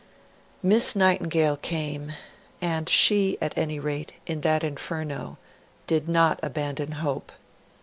Miss Nightingale came, and she, at any rate, in that inferno, did not abandon hope.